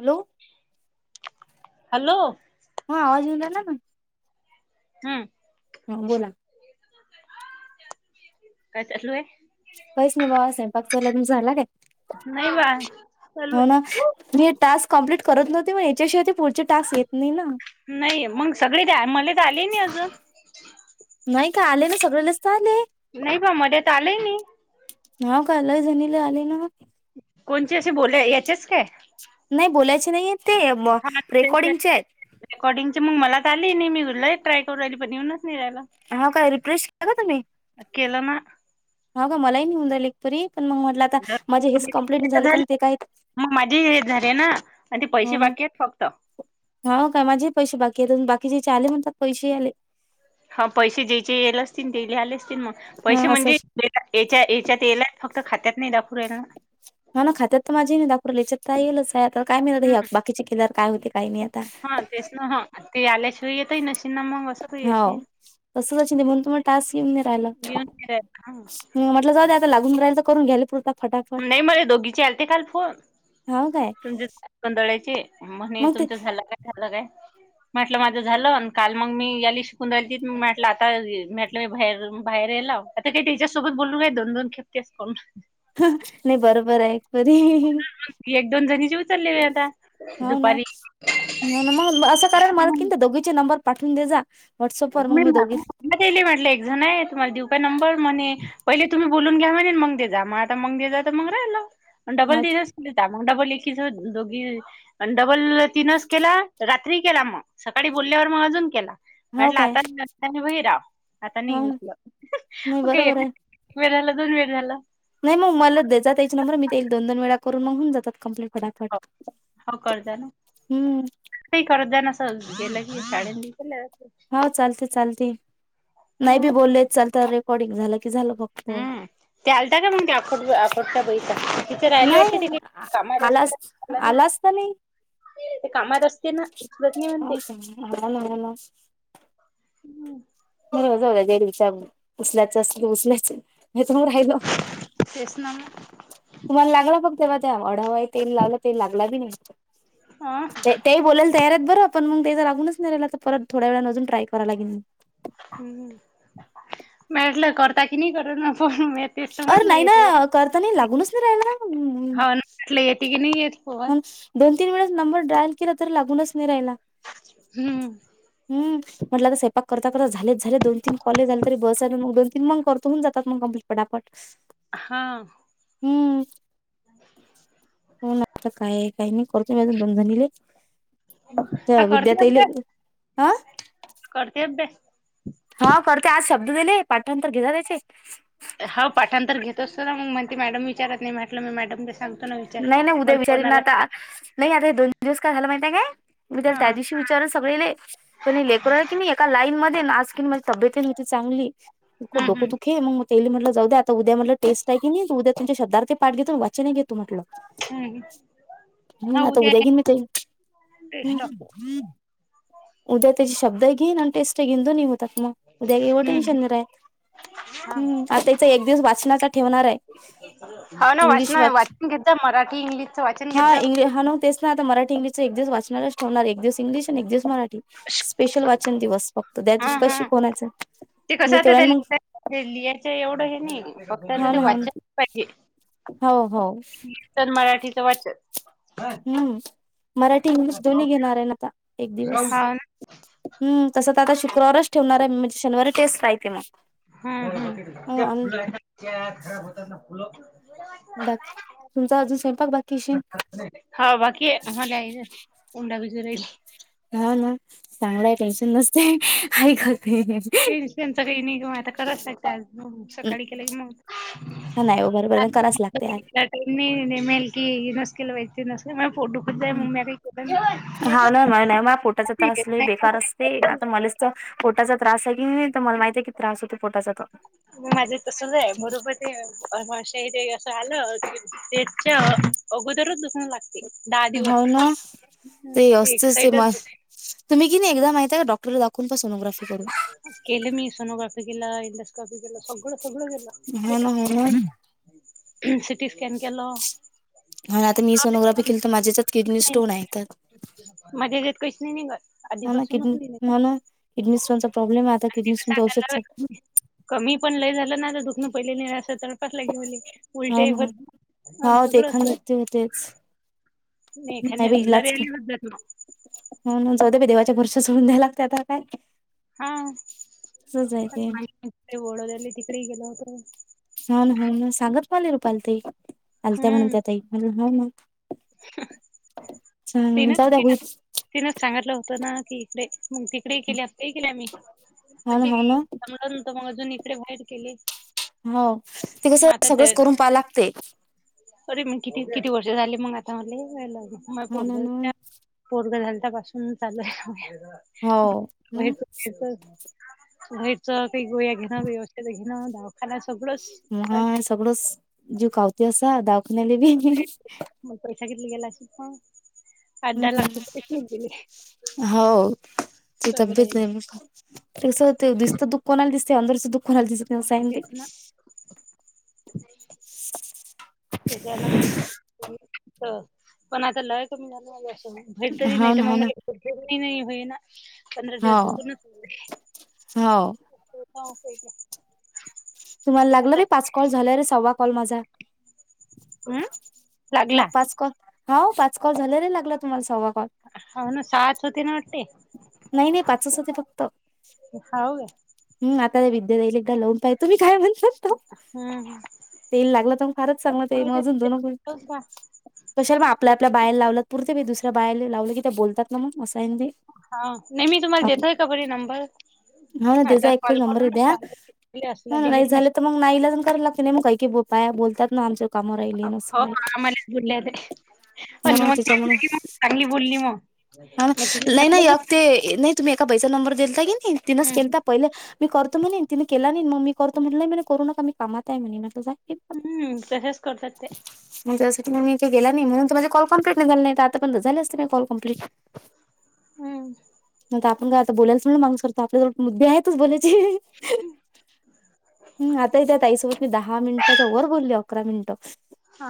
Hello. Hello. ह आवाज येऊन राहिला का? हम्. हा बोला. काय चालू आहे? काहीच नाही बाबा स्वयंपाक चालू आहे. तुमचा झाला काय? नाही बा. चालू हो आहे. ना मी टास्क कंप्लीट करत नव्हते मग याच्याशिवाय ते पुढचे टास्क येत नाही ना. नाही मग सगळे त्या मलेच आले नाही अजून. नाही का आले ना सगळ नसतं आले. नाही बा मले तर आलंय नाही. ना कालय जणीले आले ना. कोणची अशी बोल याचेच काय? नाही बोलायच नाही. ते [inaudible] म रेकॉर्डिंगचे आहेत रेकॉर्डिंग च मला आली नाही मी घरलंय ट्राय करू आली पण येऊनच नाही रायला. हा काय रिफ्रेश केला का तुम्ही? केला ना? ह का मलाही नेऊन जालं एकपरी पण मग म्हटलं आता माझे वीस कम्प्लीट झाले तर मग ते काय? मग माझी हे झाले ना आणि ते पैसे हो ना बाकी आहेत फक्त. हा कामाचे पैसे बाकी आहेत अजून बाकीचे आले म्हणतात पैसे आले. हा पैसे ज्याचे येले असतील ते लिहिले असतील मग हा पैसे असं म्हणजे याच्या याच्यात येलाय फक्त खात्यात नाही दाखवूयला. म ना खात्यात तर माझी नाही दाखूला याच्यात काय येलसा. तर काय मिळत ना हे बाकीचे केल्यावर काय होते काही नाही आता. हा तेच ना ह ते आल्याशिवाय येतय नशींना मग अस. हाव तसच अशीन म्हण तुम्हाला टास्क येऊन नाही राहायला. घेऊन फिरायला हा म्हटलं जाऊ आता लागुन रायल तर करून घ्यायला पुरतक. नाही मले दोघीचे आलते काल फोन. हाव काय तुमच गोंदळायचे म्हणे मग ते तुमचं झालं काय झालं काय? म्हटलं माझं झालं काल मग मी याला शिकून राहिल त म म्हटलं आता बाहेर बाहेर यायला आता ते त्याच्यासोबत बोलू काय दोन दोन खेप तेस कऊ नाही बरोबर आहे परी एक दोन जणी जेव चलले आता. हो ना दुपारी मग असं करायला मत की दोघीचे नंबर पाठवून दे जा. व्हॉट्सअपवर मग मी दोघी म्हटलं एकजण आहे तुम्हाला देऊ काय नंबर म्हणे पहिले तुम्ही बोलून घ्या म्ह मग आता मंग जा तर मंग राहिल आणि डबल हाव ते तिजस मग डबल एकीच दोघी डबल तीनच केला रात्री केला मग. सकाळी बोलल्यावर मग अजून केला. हाव म्हटलं काय आता बही रा आता नाही हाव ना उसलं नाही ओके बरोबर आहे. एक वेळ झालं दोन वेळ झाला. नाही मग उमईलाच देतात त्याच नंबर मी ते दोन दोन वेळा करून मग होऊन जातात. कंप्लीट फटाफट हो करजा ना. हम्म. ते करत जा ना अस गेलं की शाळ ब केलं. हो चालते चालते नाही बी बोलले चालत रेकॉर्डिंग झालं की झालं फक्त. हम्म ते आलता का मग ते आड आखोडचा बाईचा. तिथे राहिली वाटते नाही त कामा आलाच रस्तेला आलाच तर नाही ते कामात असते ना उचलत नाही हा म्हणते. ना ना हम्म. म जाऊ जे दिवसा उचसल्याचं असल की उसल्याच नाही तर मग राहिल. तेच ना मंग. तुम्हाला लागला बग तेव्हा द्या अढावा तेल लावला तेल लागला बी नाही. हं ताई बोयला तयार आहेत बरं पण मग ते तर जा लागूनच नाही राहीला तर पर थोड्या वेळानं अजुन ट्राय कराय लागेल. हम्म मॅडला करता की नाही कर ना फोन. तेच तर अरे म्हटलं नाही ना येते करता नाही लागूनच नाही राहायला. कलं येते की नाही येत. फोन मग दोन तीन वेळेस नंबर ड्रायल केला तरी लागूनच नाही रायला. हम्म हम्म म्हटलं आ स्वपाक करता करत झाले झाले दोन तीन कॉलेज झाले तरी बस दोन तीन मग करतो होन जातात मग कंप्लिट पडापट. [inaudible] हा हम्म [inaudible] हो ना आता काय काही नाही करतो दोन जणीले विद्या करते ताईले. अभ्यास आं करते ब ते. हा करते आज शब्द दिले पाठनंतर घेला त्याचे. हा पाठांतर घेत असतो ना मग म्हणती मॅडम विचारत नाही म्हटलं म मॅडम. सांगतो ना विचार नाही नाही उद्या मला फोन विचारीन आला. आता नाही आता हे दोन दिवस का झााला माहिितय काय मी त्या हा त्या दिवशी विचारून सगळे. पण लेकर आहे की नाही एका लाईन मध्ये नाच कि माझी तब्येत नव्हती चांगली ो हम्म हम्म दुखे मग तेली म्हटलं जाऊ द्या आता उद्याटलं टेस्ट आहेी नाही उद्या तमच्या शब्द्थ पाठ घेतून वाचनने घेत. तू म्हटलं हम्म हम् आता उद्या घेन मी ते. हम् टेस्ट उद्या त्याची शब्द घेन टेस्ट घिंद न उ तकमा. उद्या एव टेन्शन नाही हम्म राह हम् आता त्याचा एक दिवस वाचनाचा ठेवणार आहे. हो ना इंग्लिश वाचना वाच वाचन घेता मराठी इंग्लिश. हा इंग् हा ना तेच ना आता मराठी इंगलिशच एक दिव वाचणारलाच ठेवणार एक दिवस इंग्िश आणि एक दिवस मरा. स्पेशल वाचन दिवस फक्त त्या हा दिवशी काय हा शिकवनायचं. ते कसं आता त्या लि लिरच एवढं हे ना फक्त आता हा ते ना वाचन पाहिजे. हो हो. तर मराठीचं वाचन. हम्म मराठी इंग्लिश दोन्ही घेणार आहे आता एक दिवस. हाव हम् तस तर आता शुक्रवारच ठेवणार आहे म्हणजे शनिवारी टेस्ट राहते मग. ह्म्म हा आणि खराब होत फु. बाकी तुमचा अजून स्वयंपाक बाकीश. ज. उंडा विच राहील. हा ना चांगलाय टेन्शन नसते ऐकते. पेन्शनचा काही निगम आता करावं लाग. सकाळी हा केलं मत. नाही हो बरोबर कराच लागते आहे. मी नेमेल की नसकला वते नस म पोट. दुखत जाय मग मी काही केलं हा नाही ना म नाही म पोटाच तासले बेकार असते आता मलाच. मग पोटाचा त्रास आहे की नाही मला माहित आहे की त्रास होतो पोटाचा तर. म माझं तसच आहे मरोपती शैरी असं आलं. त्याच्या अगोदरच दुखणे लागत. ह ना ते एक असते ते म. साइडच तुम्ही क नाही एकदा माहिती का डॉक्टर ला दाखवून पहा सोग्राफी करून. केले मी सोनोग्राफी केला इंडोस्क्राफी केला सगळं सगळं हो केलं. ना हो सिटी स्क. म्ह आता मी सोनोग्राफी केली तर माझ्याच्यात किडनी स्टोन आहे त्या. मग्या जेत कशी नाही निघ. ह ना किडनी ह ना किडनी स्टोनचा प्रॉब्लेम आहे आता आणि किडनी कसं स्टोनच्या आता औषधचा. कमी पण लय झालं ना तर दुखणं पहिलेलं नाही असं तर. लाे म्हले हाव उलटे ना भ हाव ते सगळं अस. एखांद ते होतेच नाही खा बाई इलाज कर दर्याली होद्ात ना. हो जाऊदे बाई देवाच्या वरष सोडून द्याय लागते आता काय. हा तसंच आहे ते. डले तिकडे गेल होत. होा ना हो सांगत मले रूपाल तई आलत्या म्हणून हम्म त्या तई म्हण हो. [unintelligible] छान तिनच जाऊ द्या तिन होईल. तिनच सांगितलं होतं ना की इकडे मग तिकडे केलेही केल्या म्ही. हो पण ना ते हो ना सम नत मग अजून इकडे वाईट केले. हो ते कसं मग आता सगळंच तर करून पहा लागते. अरे मी किती किती वर्ष झाली मग आता मला म हो पोर. ना ना पोरग झाल पासून चालूय. हो घरच काही गोळ्या घेणं काही औषध घेणं दवाखानना सगळं. हा सगळंच जीव कावती असा दावाखान्याले बी. मग पैसा किली गेला श पण. हम् हो त तब्येत सगळे नाही म का. त कसं दिसत दुःख कोणाला दिसते अंदरचं दुख कोणाला दिसतेयं नाही असं मग आहे ना ते. तेच त्याच्यान मग पण आता लय कमी झाली माजे असं ते हा ना हा ना म्हण... [unintelligible] पंधरा हो दिवस जतो हो [unintelligible] तुम्हाला लागलं बाई पाच कॉल झाला रे सव्वा कॉल माझा हाय. हम्म मग लागला पाच कॉल हा पाच कॉल झालेला लागला तुम्हालासहावा कॉल. हाव ना सहाच होती नं वाटते. नाही नाही पाचचं होते फक्त. हाव काय [unintelligible] तुम्ही काय म्हणले? हम्म तेल लागलं तर मग फारच चांगलं तेल हो मग ते अजून दोन होईल. का तशल मग आपल्या आपल्या बायला लावलात पुरते मी दुऱ बायला लावलं की ते बोलत ना मग असं हाय नं बे. हावं नाही मी तुम्हाला देतोय का बरी नंबर. आता कॉल करूनच सांगते असला डिलीट नसला [unintelligible] नाई गरम कराला लागते नं काय कीं म [unintelligible] [unintelligible] हा त्याच्यामुळे [unintelligible] चांगली बोलली मंग. हा ना नाही नाही अग ते नाही तुम्ही एका बाईचा नंबर देलता की नाही तिनंच हम्म केलता. पहिलं मी करतो म्हणेन तिनें केला नाही मग मी करतो म्हटलं नाही म्हणे करू नका मी कामात आहे म्हणे म्हटलो म.. हं तसेव्ह करतात तें. मग त्याच्यासाठी मी इथेला नाही म्हूनझ कॉल कम्प्लीट नाही झालं नाही आता पण झा असते कॉल कम्प्लीट. हम. न आपण काय आता बोलायच म्हण मनसोक्त आपल्याला मुद्दे आहेतच बोलायचे. हम् आता त्या ताई सोबत दहा मिनिटाच्या वर बोलली अकरा मिनिटं. हा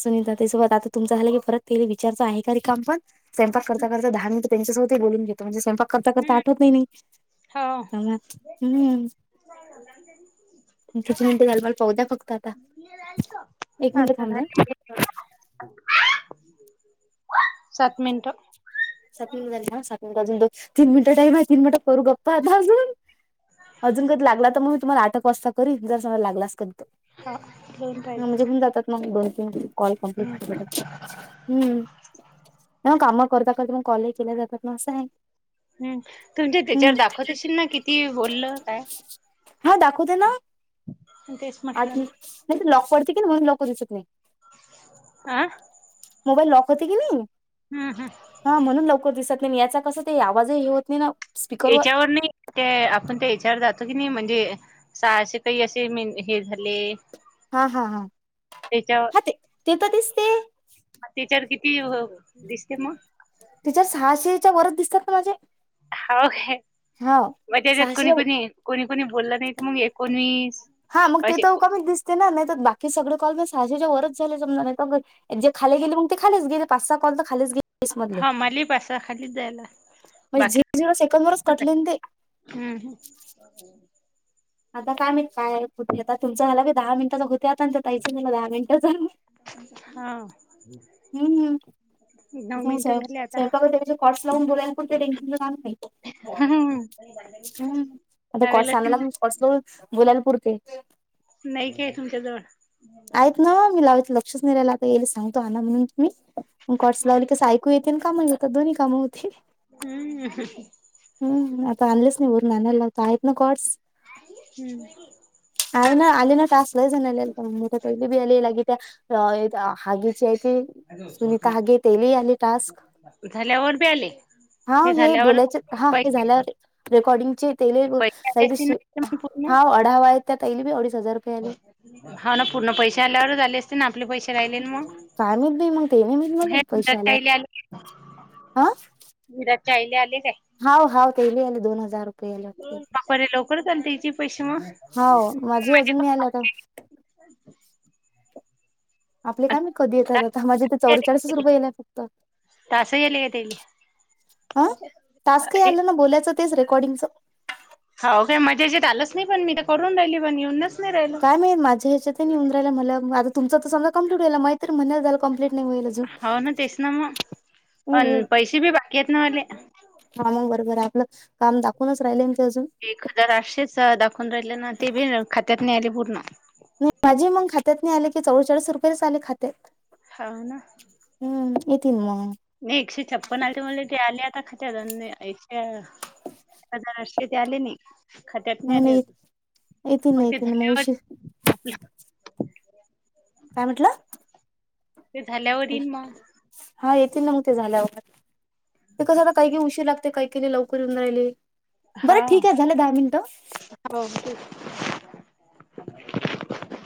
सुनीता त्यासोबत आता तुमच झाला की परत तिले विचारत का शे रिकामा पण स्यंपाक करता करता [unintelligible] म्हणजे स्वयंपाक करता करता हम्म आठवतही नाही हो म हम्म. किती मिनिटं झाल मल पाह द्या फक्त आता. एक मिनिट आता थांब जरा. झाले सात मिनिट. सात सात अजून द तीन मिनटं टाइम आहे तीनट करू गप्पा आता अजून. अजून कधी लागला तर मगी तुम्हाला आठ वाजता करन जर समज लागला की. हो दोन [unintelligible] पाहिजे हम्म हम्म नाही मग काम करता करता मग कॉल ही केल्या जातात ना असं आहे. हम् तुमच्या हम्म त्याच्यावर दाखवत असशील ना किती बोलल काय. हा दाखवते ना तेच म्हटलं नाही त लॉक पडते कीं म्हनून लवकर दिसत नाहीं. आह. मोबाईल लॉक होते कीं नाहीं.. हम् हम. हा म्हणून लवकर दिसत नाही याचा कस ते आवाजही हे होत नाही ना. स्पीकरवर याच्यावर नाही. ते आपण तें याच्यावर जातो कीं नाहीं, म्हणजे सहाशे काही अशे हे झाले... हा हा हा त्याच्यावर हा ते ते तर दिसते. त्याच्यावर किती दिसते मग. त्याच्यात सहाशेच्या वरच दिसतात ना माझे. हक हा मग त्याच्यात कोणी सहाशे कोणी कोणी कोणी बोलला नाही क मग एकोणवीस. हा मग ते असे तरकामीच दिसते ना नाही तर बाकी सगळं कॉल म सहाशेच्या वरच झाले समजा नाहीत जे खाली गेली मग ते खालीच गेले पाच सहा कॉल तर खालीच गेले. तीस मधले हा मले पासा खालीच जायला झिरो झिरो सेकड वरच कटले नं तें. हम् हम. हम.. आता कायम काय कुे आता तुमचा झाला की दहा मिनिटा तर होते आता.. त्यायच मला दहा मिनिटाचा.. हा.. ह.. तसगवपागचे कॉर्स लावून बोलायण टेशन नाही.. हम्म आता लावेल असेल कॉटसनाला ना कॉट्स बुलालपूर ते. नाही काे तुमच्या जवळ. आहेत ना मी लावित लक्षच नाही राहिला आता येईल सांगतो ह ना म्हणून मी कॉटस लावली कसं. कु येेत काम जातो्ही कामं होती. हम्म. हम्म आता अनलसनी उर ननल आयत ना काडस. हम्म. अ ना आली ना टास लाज ना मोठली बी आले लागित. सुनीता हगे तेली आली टास्क. झाल्यावर बी आले हा हे बोलायचे हा हे पैसे झालं रेकॉर्डिंगचे ते पैसे आले असतील ना मग हा. ढावा आहेत त्याी अडी हजार. रुपये आले. होा ना पूर्ण पैसे आल्यावरच झा आले. ना आपले पैसे राहिले मग काय माहित बाई मग तेले माहित हे काय आले. आा. निरात ईले आले काय. हा हा ते आले दोन हजार रुपयेला. बापरे लवकर चाल त्याची पश्मा. ला का. आपले काम कधी येतात आता माझेथे चौवेचाळीसच रुपयेलाय फक्त. तासही आले का त्याले ह तस् काही आलं ना बोलायचं तेच रेकॉर्डिंगच. हो काय मजाजेत आलंच नाही पण मी तर करून राहिली पण येऊनच. नाही राहिलं काय मा माझ्याच्यात उंदरायला आ तुमचा तर समज कंप्लीटयला माहीत म्हणच झालं कंप्लीट नाही वईल. हो ना तेस ना मग पण पैसे बी बाकी आहेतेत ना मले. काम बरोबर आहे आपलं काम दाखवूनच राहिले ते अजून. एक हजार आठशेच दाखवून राहिलं ना ते बी खात्यात न आले पूर्ण. माझे मग खात्यात नाही आले की चौचाळीस रुपयेच आले खात्यात. छाान. हम्म येतिन म. नाही एकशे छप्पन आ मले ते आले आता ख एकशे. हजार अे ते आले नाही खात्यात नाही आले अस येतील मग ना ते येतील ना झालेवर. उशीर माफ. काय म्हटलं. ते झाल्या वील मग. हा येतील ना मग ते झाल्यावरर ते कसं आता काही उशीर लागते काही. लवकर येऊन राहिले बरं हा ठीक आहे झालं दहा मिनिट. हो.